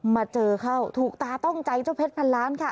มาเจอเข้าถูกตาต้องใจเจ้าเพชรพันล้านค่ะ